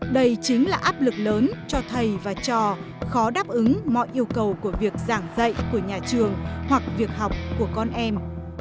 đây chính là áp lực lớn cho thầy và trò khó đáp ứng mọi yêu cầu của việc giảng dạy của nhà trường hoặc việc học của con em